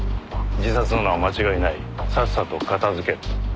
自殺なのは間違いないさっさと片づけろと。